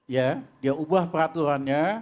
ya dia ubah peraturannya